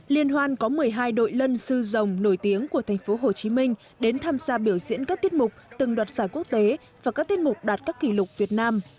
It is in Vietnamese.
liên hoan có một mươi hai đội lân sư dòng nổi tiếng của tp hcm đến tham gia biểu diễn các tiết mục từng đoạt giải quốc tế và các tiết mục đạt các kỷ lục việt nam